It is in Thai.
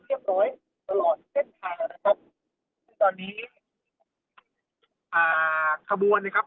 กินดอนเมืองในช่วงเวลาประมาณ๑๐นาฬิกานะครับ